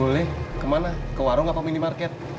boleh ke mana ke warung apa minimarket